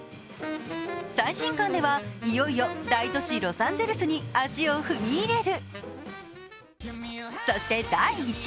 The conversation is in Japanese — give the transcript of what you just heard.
最新刊では、いよいよ大都市、ロサンゼルスに足を踏み入れる。